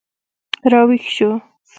راویښ شو